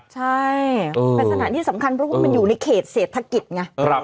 ใช่เป็นสถานที่สำคัญเพราะว่ามันอยู่ในเขตเศรษฐกิจไง